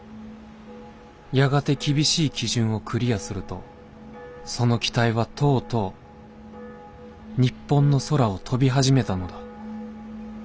やがて厳しい基準をクリアするとその機体はとうとう日本の空を飛び始めたのだ。